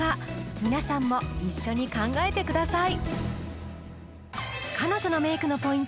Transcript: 皆さんも一緒に考えてください